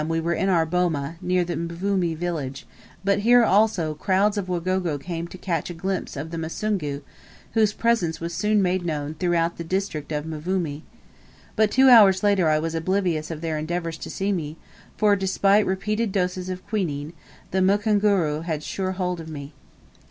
we were in our boma, near Mvumi village; but here also crowds of Wagogo came to catch a glimpse of the Musungu, whose presence was soon made known throughout the district of Mvumi. But two hours later I was oblivious of their endeavours to see me; for, despite repeated doses of quinine, the mukunguru had sure hold of me.